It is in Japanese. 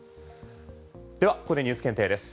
ではここでＮＥＷＳ検定です。